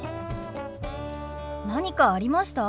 何かありました？